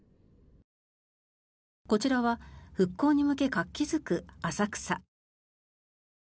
こちらは復興に向け活気付く浅草。